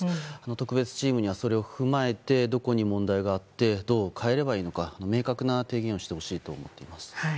特別チームにはそれを踏まえてどこに問題があってどう変えればいいのか明確な提言をしてほしいと思っています。